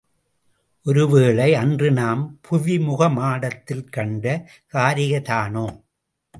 ஒருவேளை அன்று நாம் புவிமுக மாடத்தில் கண்ட காரிகை தானோ?